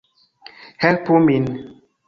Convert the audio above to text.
Helpu min